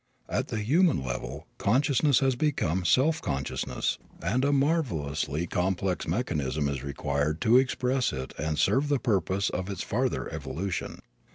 At the human level consciousness has become self consciousness and a marvelously complex mechanism is required to express it and serve the purpose of its farther evolution.